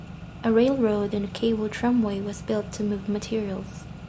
A railroad and cable tramway was built to move materials.